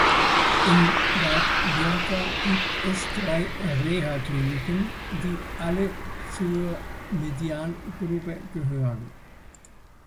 In Bad Berka gibt es drei Rehakliniken, die alle zur Median-Gruppe gehören.